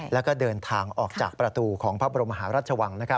แล้วก็เดินทางออกจากประตูของพระบรมหาราชวัง